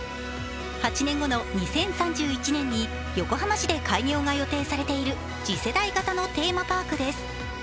８年後の２０３１年に横浜市で開業が予定されている次世代型のテーマパークです。